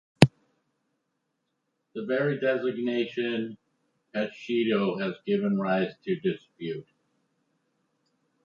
The very designation, "Peshito," has given rise to dispute.